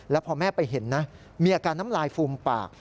แล้วพอแม่ไปเห็นนะมีอาการน้ำลายฟูมปาก